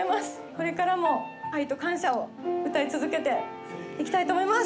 これからも愛と感謝を歌い続けていきたいと思います。